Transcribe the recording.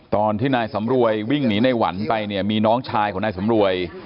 ตอนที่นายสำรวยวิ่งหนีในหวันไปเนี่ยมีน้องชายของนายสำรวย